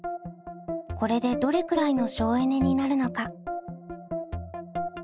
これでどれくらいの省エネになるのか。